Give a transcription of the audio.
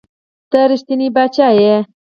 ته رښتونے باچا ئې